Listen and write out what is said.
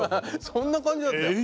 そんな感じだったよ。